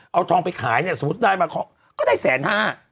เอาทองไปขายเนี่ยสมมุติได้มาก็ได้แสนห้า